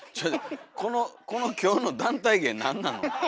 このこの今日の団体芸なんなの？